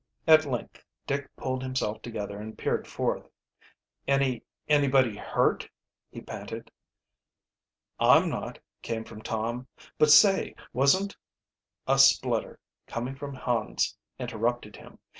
At length Dick pulled himself together and peered forth. "Any anybody hurt?" he panted. "I'm not," came from Tom. "But, say, wasn't " A splutter, coming from Hans, interrupted him.